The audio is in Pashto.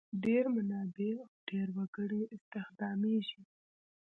ډېر منابع او ډېر وګړي استخدامیږي.